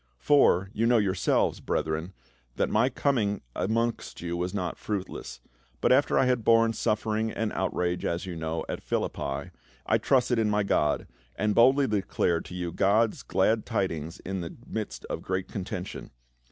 " For, you know yourselves, brethren, that my coming amongst you was not fruitless ; but after I had borne suffering and outrage, as you know, at Philippi, I trusted in my God, and boldly declared to you God's glad tidings in the midst of great contention.